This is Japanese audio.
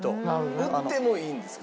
売ってもいいんですか？